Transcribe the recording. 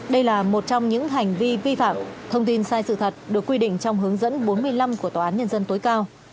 đây là một trong những hành vi vi phạm thông tin sai sự thật được quy định trong hướng dẫn bốn mươi năm của tòa án nhân dân tối cao